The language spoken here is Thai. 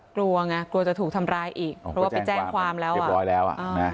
กลัวไงกลัวจะถูกทำร้ายอีกเพราะว่าไปแจ้งความแล้ว